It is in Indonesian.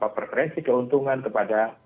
perpresi keuntungan kepada